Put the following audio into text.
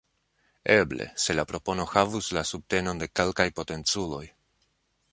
Eble - se la propono havus la subtenon de kelkaj potenculoj.